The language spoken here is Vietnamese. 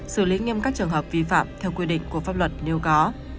xử lý nghiêm các trường hợp vi phạm theo quy định của pháp luật nếu có